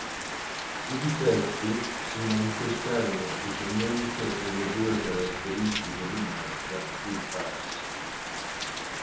I difetti si manifestarono specialmente nelle due caratteristiche di marcia più basse.